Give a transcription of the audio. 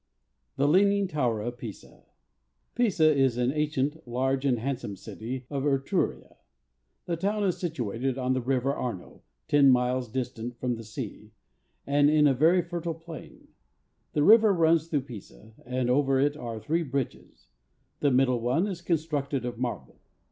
44. The leaning Tower at Pisa . Pisa is an ancient, large, and handsome city of Etruria. The town is situated on the river Arno, ten miles distant from the sea, and in a very fertile plain. The river runs through Pisa, and over it are three bridges: the middle one is constructed of marble.